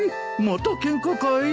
またケンカかい？